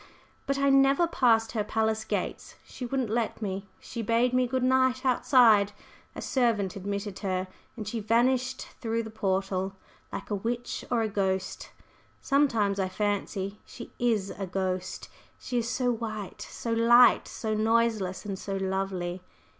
But I never passed her palace gates, she wouldn't let me. She bade me 'good night' outside; a servant admitted her, and she vanished through the portal like a witch or a ghost. Sometimes I fancy she is a ghost. She is so white, so light, so noiseless and so lovely!"